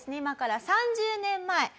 今から３０年前。